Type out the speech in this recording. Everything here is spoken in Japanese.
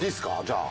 じゃあ。